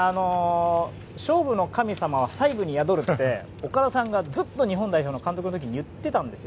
勝負の神様は細部に宿るって岡田さんが日本代表の監督の時に言っていたんですよ。